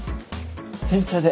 煎茶で。